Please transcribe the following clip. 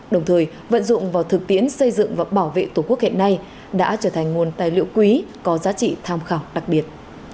đồng thời vận dụng vào thực tiễn xây dựng và bảo vệ tổ quốc hiện nay đã trở thành nguồn tài liệu quý có giá trị tham khảo đặc biệt